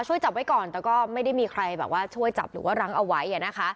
ช่วยจับไว้ก่อนแต่ก็ไม่ได้มีใครแบบว่าช่วยจับหรือว่ารั้งเอาไว้